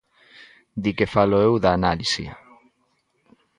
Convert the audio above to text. Di que falo eu da análise.